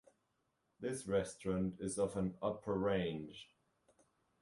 This restaurant is of an upper range.